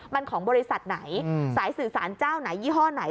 มันของบริษัทไหนสายสื่อสารเจ้าไหนยี่ห้อไหน